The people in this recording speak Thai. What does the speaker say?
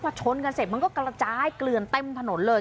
พอชนกันเสร็จมันก็กระจายเกลือนเต็มถนนเลย